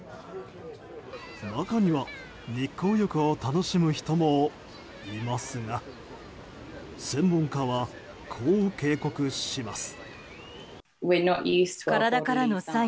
中には日光浴を楽しむ人もいますが専門家は、こう警告します。